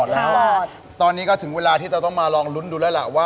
ไม่ค่ะอาจจะดาวรถใหม่ค่ะ